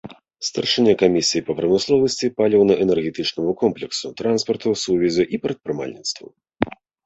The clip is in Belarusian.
Старшыня камісіі па прамысловасці, паліўна-энергетычнаму комплексу, транспарту, сувязі і прадпрымальніцтву.